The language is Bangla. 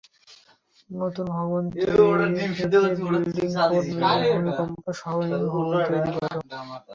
নতুন ভবন তৈরির ক্ষেত্রে বিল্ডিং কোড মেনে ভূমিকম্প সহনীয় ভবন তৈরি করা।